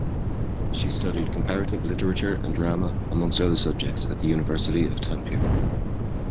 She studied comparative literature and drama, amongst other subjects, at the University of Tampere.